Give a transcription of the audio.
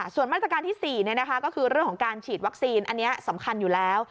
ส่วนมาตรการที่๔ก็คือเรื่องของการฉีดวัคซีนอันนี้สำคัญอยู่แล้ว